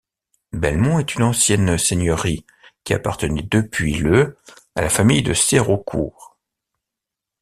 Belmont est une ancienne seigneurie qui appartenait depuis le à la famille de Serocourt.